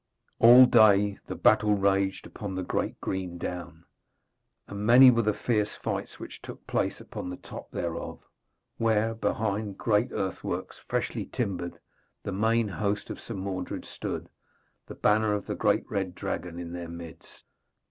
All day the battle raged upon the great green down, and many were the fierce fights which took place upon the top thereof, where, behind great earthworks freshly timbered, the main host of Sir Mordred stood, the banner of the great red dragon in their midst.